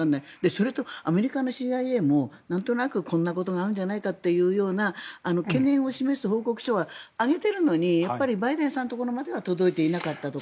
それと、アメリカのＣＩＡもなんとなくこんなことがあるんじゃないかというような懸念を示す報告書は上げているのにやっぱりバイデンさんのところにまでは届いていなかったとか。